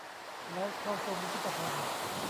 แล้วเข้าชมพิพิธภัณฑ์